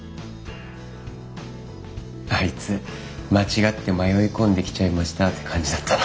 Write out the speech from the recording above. あいつ間違って迷い込んできちゃいましたって感じだったな。